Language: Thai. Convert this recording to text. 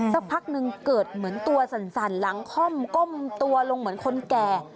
สักพักหนึ่งเกิดเหมือนตัวสั่นหลังค่อมก้มตัวลงเหมือนคนแก่